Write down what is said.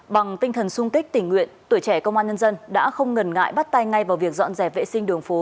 bằng tinh thần sung kích tình nguyện tuổi trẻ công an nhân dân đã không ngần ngại bắt tay ngay vào việc dọn dẹp vệ sinh đường phố